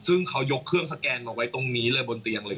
ซึ่งเขายกเครื่องสแกนตรงนี้บนเตียงเลย